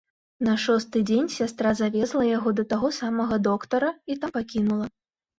На шосты дзень сястра завезла яго да таго самага доктара і там пакінула.